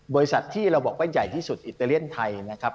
บริษัทที่เราบอกว่าใหญ่ที่สุดอิตาเลียนไทยนะครับ